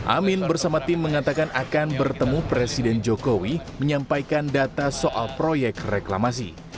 amin bersama tim mengatakan akan bertemu presiden jokowi menyampaikan data soal proyek reklamasi